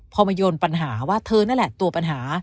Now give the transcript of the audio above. พอมาโยนปัญหาว่าเธอนั่นแหละตัวปัญหา